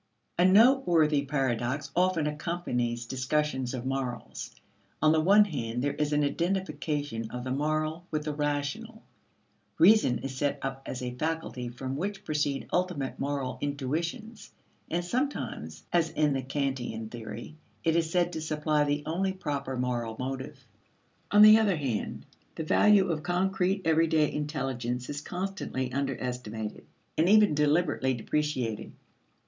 A noteworthy paradox often accompanies discussions of morals. On the one hand, there is an identification of the moral with the rational. Reason is set up as a faculty from which proceed ultimate moral intuitions, and sometimes, as in the Kantian theory, it is said to supply the only proper moral motive. On the other hand, the value of concrete, everyday intelligence is constantly underestimated, and even deliberately depreciated.